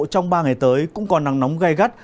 trong ba ngày tới cũng còn nắng nóng gây gắt